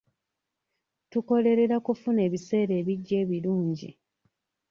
Tukolerera kufuna ebiseera ebijja ebirungi.